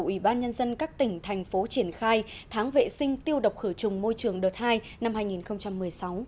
ủy ban nhân dân các tỉnh thành phố triển khai tháng vệ sinh tiêu độc khử trùng môi trường đợt hai năm hai nghìn một mươi sáu